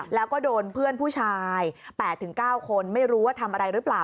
แล้วก็โดนเพื่อนผู้ชาย๘๙คนไม่รู้ว่าทำอะไรหรือเปล่า